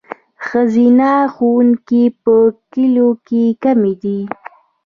ښځینه ښوونکي په کلیو کې کمې دي.